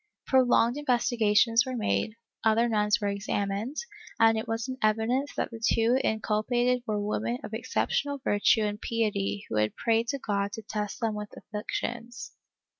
Prolonged investigations were made, other nuns were examined, and it was in evidence that the two inculpated were women of exceptional virtue and piety w^ho had prayed to God to test them with afflictions.